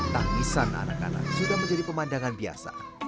tangisan anak anak sudah menjadi pemandangan biasa